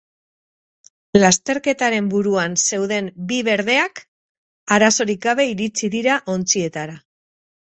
Lasterketaren buruan zeuden bi berdeak arazorik gabe iritsi dira ontzietara.